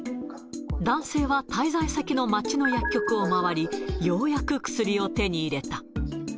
男性は、滞在先の街の薬局を回り、ようやく薬を手に入れた。